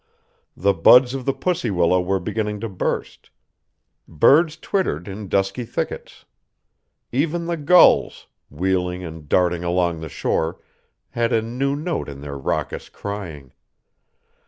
The buds of the pussy willow were beginning to burst. Birds twittered in dusky thickets. Even the gulls, wheeling and darting along the shore, had a new note in their raucous crying.